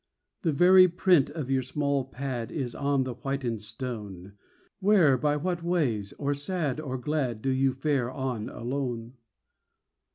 The very print of your small pad Is on the whitened stone. Where, by what ways, or sad or glad, Do you fare on alone?